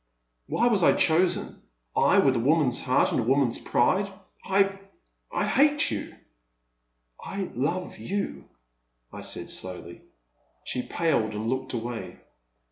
Why was I chosen, — I, with a woman's heart and a woman's pride. I — ^I hate you!" I love you,*' I said, slowly. She paled and looked away.